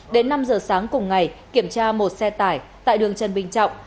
đến năm giờ sáng cùng ngày kiểm tra một xe tải tại đường trần bình trọng